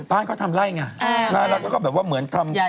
บ้านเขาทำไร่ไงแล้วก็เหมือนทำ